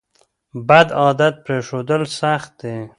بد عادت پریښودل سخت دي.